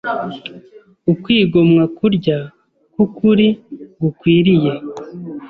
Ukwigomwa kurya k’ukuri gukwiriye